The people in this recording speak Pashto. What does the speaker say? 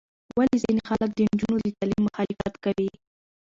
ولې ځینې خلک د نجونو د تعلیم مخالفت کوي؟